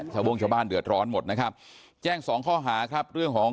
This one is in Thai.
ชาวโบ้งชาวบ้านเดือดร้อนหมดนะครับ